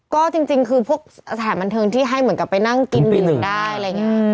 ก็จริงคือพวกสถานบันเทิงที่ให้เหมือนกับไปนั่งกินดื่มได้อะไรอย่างนี้